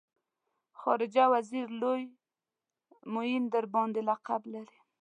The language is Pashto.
خارجه وزیر لوی معین د باندې لقب لري.